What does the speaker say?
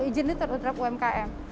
iya izin itu terutama umkm